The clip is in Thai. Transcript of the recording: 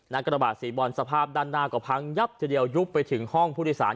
กระบาดสีบอลสภาพด้านหน้าก็พังยับทีเดียวยุบไปถึงห้องผู้โดยสาร